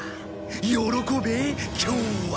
喜べ今日は。